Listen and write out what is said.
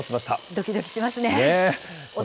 どきどきしますね。